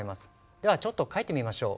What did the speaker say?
ではちょっと書いてみましょう。